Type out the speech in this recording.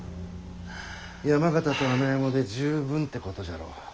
山県と穴山で十分ってことじゃろう。